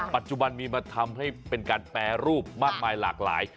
ปัจจุบันมีมาทำให้เป็นการแปรรูปมากมายหลากหลาย